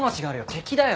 敵だよ。